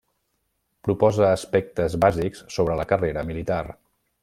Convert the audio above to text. Proposa aspectes bàsics sobre la carrera militar.